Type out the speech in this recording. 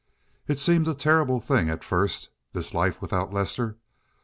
It seemed a terrible thing at first—this life without Lester.